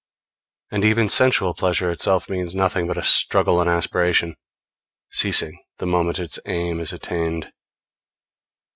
And even sensual pleasure itself means nothing but a struggle and aspiration, ceasing the moment its aim is attained.